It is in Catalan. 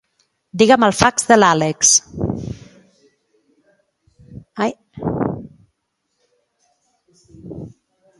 Digue'm el fax de l'Àlex.